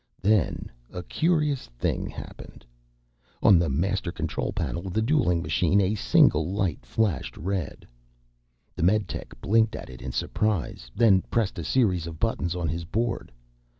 Then a curious thing happened. On the master control panel of the dueling machine, a single light flashed red. The meditech blinked at it in surprise, then pressed a series of buttons on his board.